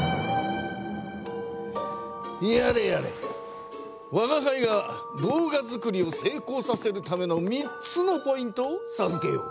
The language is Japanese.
やれやれわがはいが動画作りをせいこうさせるための３つのポイントをさずけよう。